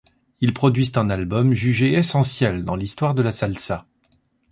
Ils produisent un album jugé essentiel dans l'histoire de la salsa.